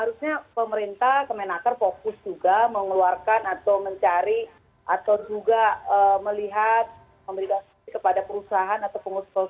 harusnya pemerintah kemenaker fokus juga mengeluarkan atau mencari atau juga melihat memberikan subsidi kepada perusahaan atau pengusaha